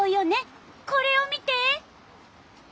これを見て！